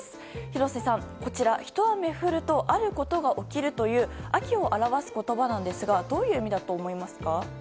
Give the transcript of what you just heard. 廣瀬さん、こちらひと雨降るとあることが起きるという秋を表す言葉なんですがどういう意味だと思いますか？